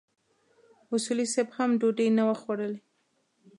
اصولي صیب هم ډوډۍ نه وه خوړلې.